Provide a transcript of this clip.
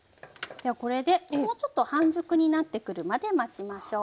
ではこれでもうちょっと半熟になってくるまで待ちましょう。